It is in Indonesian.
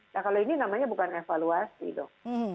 nah kalau ini namanya bukan evaluasi dong